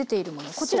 こちら。